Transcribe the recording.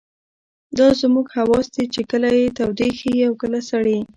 دا زموږ حواس دي چې کله يې تودې ښيي او کله سړې.